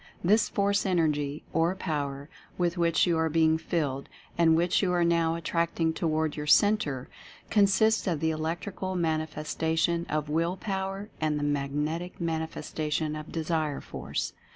This Force, Energy or Power with which you are being filled, and which you are now attracting toward your Cen tre, consists of the Electrical Manifestation of Will Power and the Magnetic Manifestation of Desire Force.